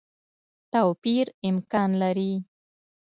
توپیر امکان لري.